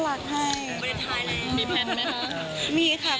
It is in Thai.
แล้วบริเวณทายนี้มีแพทย์ไหมคะ